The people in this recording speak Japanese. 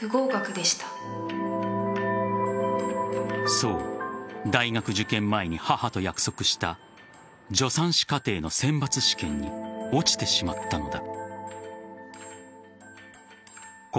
そう、大学受験前に母と約束した助産師課程の選抜試験に落ちてしまったのだ。